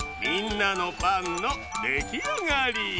みんなのパンのできあがり！